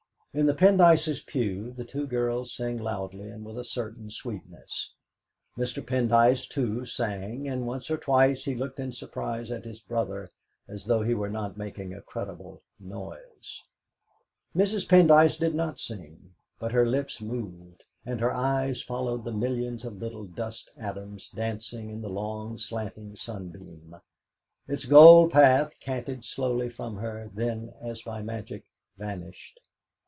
In the Pendyces' pew the two girls sang loudly and with a certain sweetness. Mr. Pendyce, too, sang, and once or twice he looked in surprise at his brother, as though he were not making a creditable noise. Mrs. Pendyce did not sing, but her lips moved, and her eyes followed the millions of little dust atoms dancing in the long slanting sunbeam. Its gold path canted slowly from her, then, as by magic, vanished.